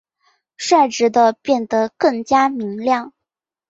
率直地变得更加明亮！